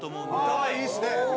ああいいですね！